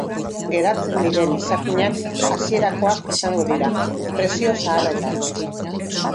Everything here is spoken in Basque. Geratzen diren izakinak hasierakoak izango dira, prezio zaharretan.